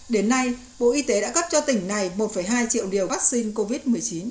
đến nay bộ y tế đã cấp cho tỉnh này một hai triệu liều vaccine covid một mươi chín